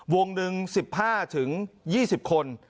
วงหนึ่ง๑๕๒๐คน